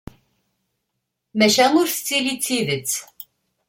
Maca ur tettili d tidet